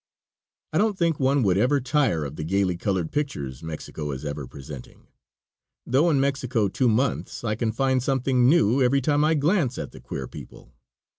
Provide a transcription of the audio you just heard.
I don't think one would ever tire of the gayly colored pictures Mexico is ever presenting. Though in Mexico two months, I can find something new every time I glance at the queer people.